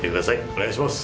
お願いします